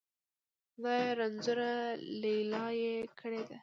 خدایه! رنځوره لیلا یې کړې ده.